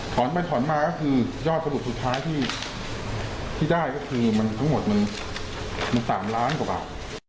ไปถอนมาก็คือยอดสรุปสุดท้ายที่ได้ก็คือมันทั้งหมดมัน๓ล้านกว่าบาท